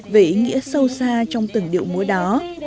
về ý nghĩa sâu xa trong từng điệu múa đó